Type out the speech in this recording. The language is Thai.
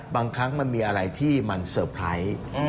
บางครั้งมันมีอะไรที่มันเซอร์ไพรส์